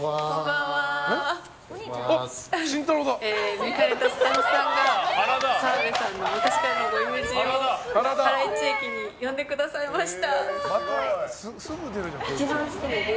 見かねたスタッフさんが澤部さんの昔からのご友人を原市駅に呼んでくださいました。